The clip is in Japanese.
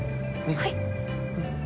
はい。